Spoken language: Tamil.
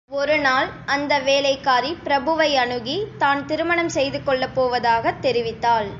ஒரு நாள் அந்த வேலைக்காரி பிரபுவை அணுகி, தான் திருமணம் செய்து கொள்ளப் போவதாகத் தெரிவித்தாள்.